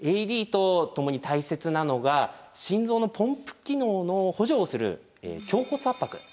ＡＥＤと共に大切なのが心臓のポンプ機能の補助をする胸骨圧迫。